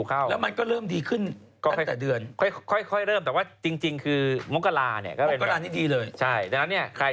ก็เป็นปีเริ่มต้นทีใหม่ในชีวิต